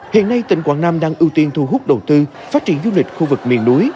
hiện nay tỉnh quảng nam đang ưu tiên thu hút đầu tư phát triển du lịch khu vực miền núi